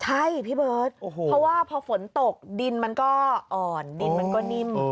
ใช่พี่เบิร์ตเพราะว่าพอฝนตกดินมันก็อ่อนดินมันก็นิ่ม